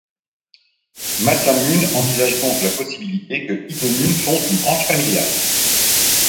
Masamune envisage donc la possibilité que Hidemune fonde une branche familiale.